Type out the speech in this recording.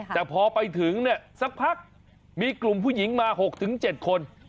แต่พอไปถึงเนี่ยสักพักมีกลุ่มผู้หญิงมา๖๗คน